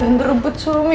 jangan terbentur suami gue